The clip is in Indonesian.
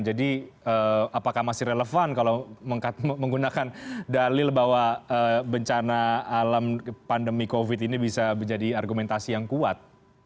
jadi apakah masih relevan kalau menggunakan dalil bahwa bencana alam pandemi covid ini bisa menjadi argumentasi yang kuat